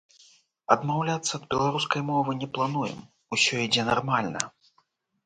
Адмаўляцца ад беларускай мовы не плануем, усё ідзе нармальна.